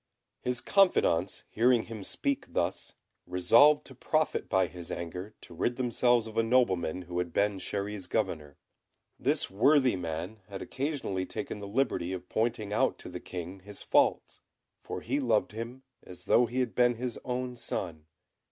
His confidants hearing him speak thus, resolved to profit by his anger to rid themselves of a nobleman who had been Chéri's governor. This worthy man had occasionally taken the liberty of pointing out to the King his faults, for he loved him as though he had been his own son.